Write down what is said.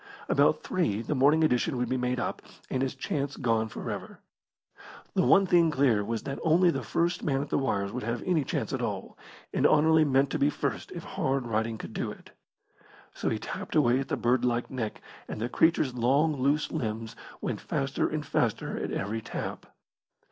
About three the morning edition would be made up, and his chance gone for ever. The one thing clear was that only the first man at the wires would have any chance at all, and Anerley meant to be first if hard riding could do it. So he tapped away at the bird like neck, and the creature's long, loose limbs went faster and faster at every tap.